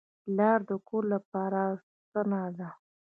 پلار د کور لپاره ستنه ده.